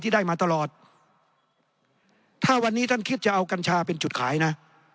ได้มาตลอดถ้าวันนี้ท่านคิดจะเอากัญชาเป็นจุดขายนะ